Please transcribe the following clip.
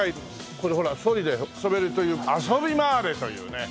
これほらソリで遊べるというあそびマーレというね。